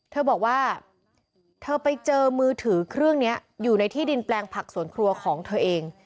เธอบอกว่าเธอไปเจอมือถือเครื่องนี้อยู่ในที่ดินแปลงผักสวนครัวของเธอเอง